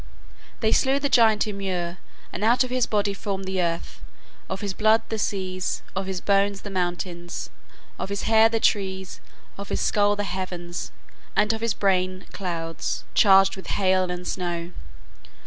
They slew the giant Ymir, and out of his body formed the earth, of his blood the seas, of his bones the mountains, of his hair the trees, of his skull the heavens, and of his brain clouds, charged with hail and snow.